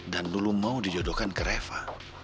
dan dulu mau dijodohkan ke reva